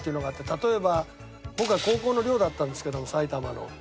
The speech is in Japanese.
例えば僕は高校の寮だったんですけども埼玉の。